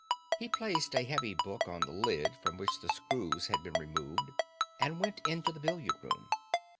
He placed a heavy book on the lid from which the screws had been removed, and went into the billiard room.